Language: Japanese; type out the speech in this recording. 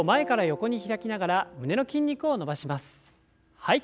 はい。